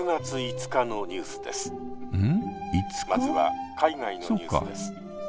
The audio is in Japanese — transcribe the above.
「まずは海外のニュースです。